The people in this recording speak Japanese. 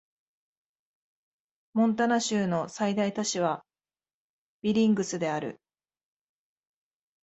モンタナ州の最大都市はビリングスである